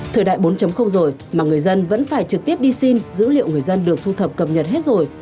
thời đại bốn rồi mà người dân vẫn phải trực tiếp đi xin dữ liệu người dân được thu thập cập nhật hết rồi